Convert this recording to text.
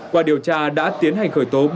qua điều tra đã tiến hành khởi tố